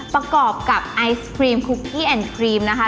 ประกอบกับไอศครีมคุกกี้แอนด์ครีมนะคะ